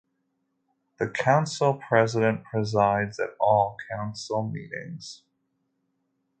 The Council President presides at all council meetings.